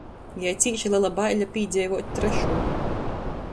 Jai cīši lela baile pīdzeivuot trešū.